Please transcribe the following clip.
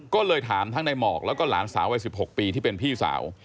ก็เลยถามทั้งในหมอกแล้วก็หลานสาววัย๑๖ปีที่เป็นพี่สาว